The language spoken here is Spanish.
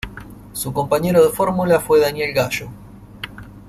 Su compañero de fórmula fue Daniel Gallo.